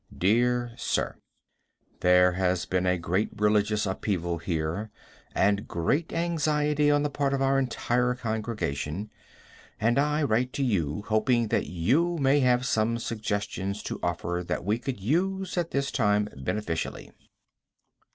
Dear Sir: There has been a great religious upheaval here, and great anxiety on the part of our entire congregation, and I write to you, hoping that you may have some suggestions to offer that we could use at this time beneficially.